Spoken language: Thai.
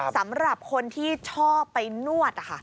สำหรับคนที่ชอบไปนวด